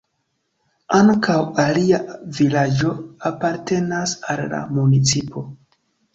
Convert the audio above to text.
Ankaŭ alia vilaĝo apartenas al la municipo.